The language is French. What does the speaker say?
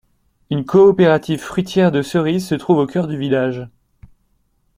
Une coopérative fruitière de cerises se trouve au cœur du village.